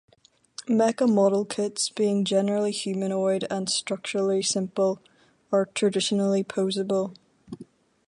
Mecha model kits, being generally humanoid and structurally simple, are traditionally posable.